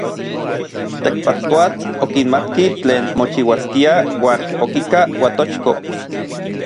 Tekpatkoatl okimatki tlen mochiuaskia uan okika Uatochko.